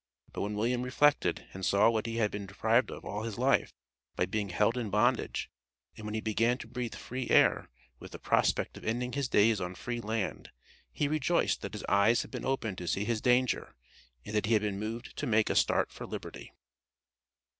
But when William reflected, and saw what he had been deprived of all his life by being held in bondage, and when he began to breathe free air, with the prospect of ending his days on free land, he rejoiced that his eyes had been opened to see his danger, and that he had been moved to make a start for liberty.